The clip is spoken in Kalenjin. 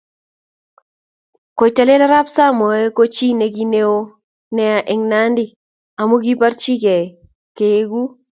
Koitalel Arap Samoe ko ki chi neo nea eng Nandi amu kiparchi ke keeku